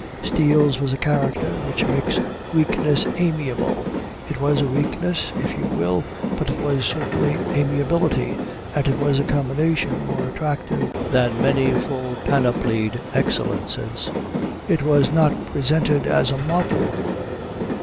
Steele's was a character which makes weakness amiable: it was a weakness, if you will, but it was certainly amiability, and it was a combination more attractive than many full panoplied excellences. It was not presented as a model.